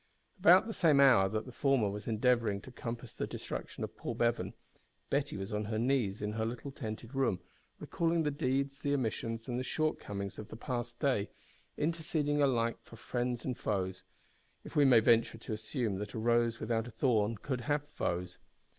About the same hour that the former was endeavouring to compass the destruction of Paul Bevan, Betty was on her knees in her little tented room, recalling the deeds, the omissions, and the shortcomings of the past day, interceding alike for friends and foes if we may venture to assume that a rose without a thorn could have foes!